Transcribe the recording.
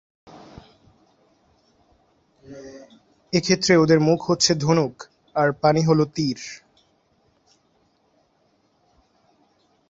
এক্ষেত্রে ওদের মুখ হচ্ছে ধনুক, আর পানি হলো তির।